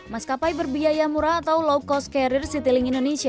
maskapai berbiaya murah atau low cost carrier citylink indonesia